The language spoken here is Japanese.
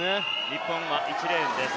日本は１レーンです。